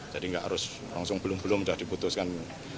jadi nggak harus langsung belum belum jauh dibutuhkan